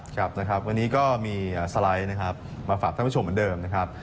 ครับนะครับวันนี้ก็มีสไลด์นะครับมาฝากท่านผู้ชมเหมือนเดิมนะครับ